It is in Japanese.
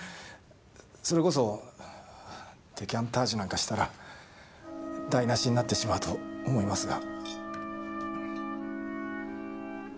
それこそデカンタージュなんかしたら台無しになってしまうと思いますが。